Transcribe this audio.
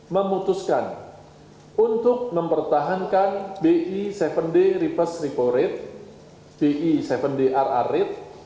dua ribu enam belas memutuskan untuk mempertahankan bi tujuh d reverse repo rate bi tujuh drr rate